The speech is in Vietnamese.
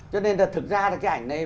cho nên là thực ra cái ảnh này